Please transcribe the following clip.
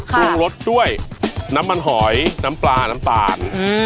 ปรุงรสด้วยน้ำมันหอยน้ำปลาน้ำตาล